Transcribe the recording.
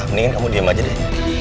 mendingan kamu diem aja deh